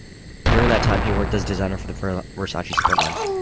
During that time, he worked as designer for the Versace Sport line.